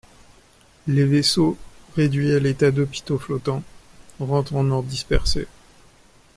Les vaisseaux, réduits à l'état d'hôpitaux flottants, rentrent en ordre dispersé.